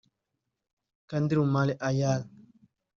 Kadri Humal-Ayal